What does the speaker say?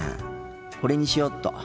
これにしよっと。